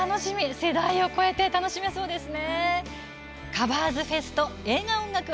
世代を超えて楽しめそうですね。